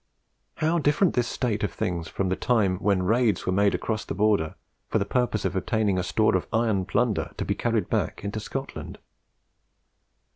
How different this state of things from the time when raids were made across the Border for the purpose of obtaining a store of iron plunder to be carried back into Scotland!